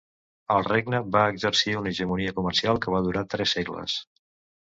El regne va exercir una hegemonia comercial que va durar tres segles.